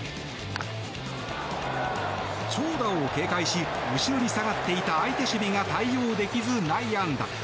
長打を警戒し後ろに下がっていた相手守備が対応できず内野安打。